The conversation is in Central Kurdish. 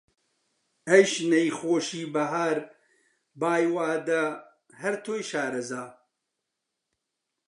ئەی شنەی خۆشی بەهار، بای وادە! هەر تۆی شارەزا